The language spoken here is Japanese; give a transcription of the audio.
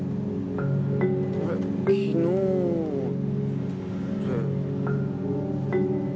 あれ昨日って。